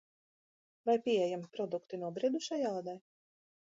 Vai pieejami produkti nobriedušai ādai?